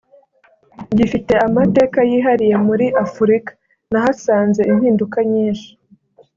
gifite amateka yihariye muri Afurika […] Nahasanze impinduka nyinshi